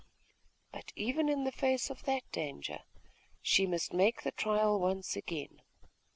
But even in the face of that danger, she must make the trial once again.